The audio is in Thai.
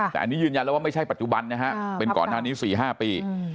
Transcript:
แต่อันนี้ยืนยันแล้วว่าไม่ใช่ปัจจุบันนะฮะเป็นก่อนหน้านี้๔๕ปี